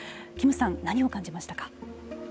金さん何を感じましたか。